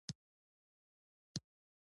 له پلاستيکي فرشه مړې خاورې پورته شوې.